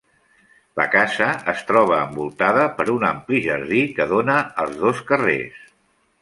La casa es troba envoltada per un ampli jardí que dóna als dos carrers.